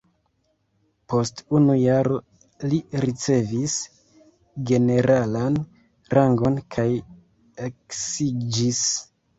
Post unu jaro li ricevis generalan rangon kaj eksiĝis.